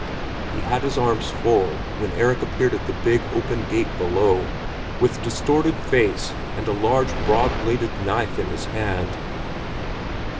He had his arms full when Erik appeared at the big, open gate below, with distorted face and a large, broad bladed knife in his hand.